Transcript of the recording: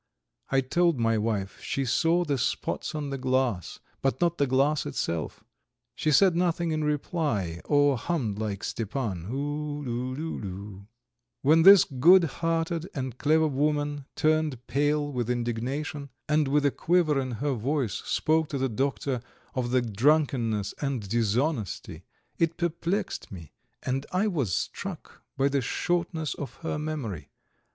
I told my wife she saw the spots on the glass, but not the glass itself; she said nothing in reply, or hummed like Stepan "oo loo loo loo." When this good hearted and clever woman turned pale with indignation, and with a quiver in her voice spoke to the doctor of the drunkenness and dishonesty, it perplexed me, and I was struck by the shortness of her memory.